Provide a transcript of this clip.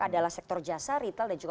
adalah sektor jasa retail dan juga